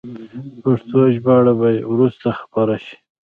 پښتو ژباړه به یې وروسته خپره شي.